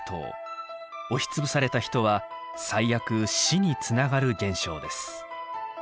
押しつぶされた人は最悪死につながる現象です。